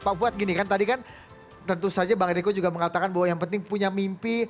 pak fuad gini kan tadi kan tentu saja bang eriko juga mengatakan bahwa yang penting punya mimpi